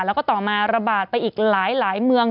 แล้วก็ต่อมาระบาดไปอีกหลายเมือง